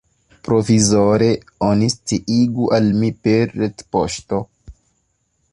Provizore oni sciigu al mi per retpoŝto.